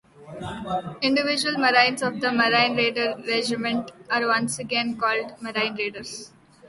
Individual marines of the Marine Raider Regiment are once again called "Marine Raiders".